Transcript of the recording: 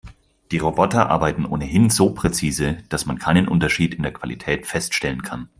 Die Roboter arbeiten ohnehin so präzise, dass man keinen Unterschied in der Qualität feststellen kann.